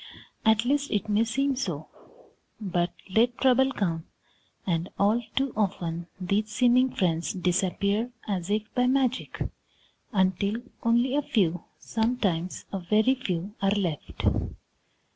At least, it may seem so. But let trouble come, and all too often these seeming friends disappear as if by magic, until only a few, sometimes a very few, are left.